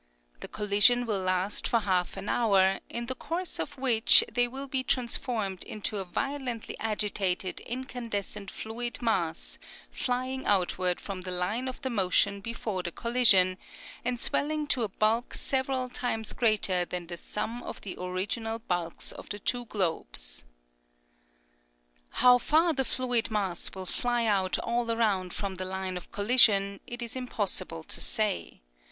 The collision will last for half an hour, in the course of which they will be transformed into a violently agitated incandescent fluid mass flying outward from the line of the motion before the collision, and swelling to a bulk several times greater than the sum of the original bulks of the two globes. * How far the fluid mass will fly out all around from the line of collision it is impossible to say.